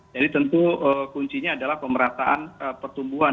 jadi tentu kuncinya adalah pemerataan pertumbuhan